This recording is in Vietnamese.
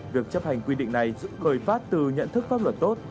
việc chấp hành quy định này giữ cười phát từ nhận thức pháp luật tốt